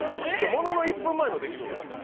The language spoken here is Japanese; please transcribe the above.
ものの１分前の出来事ですよ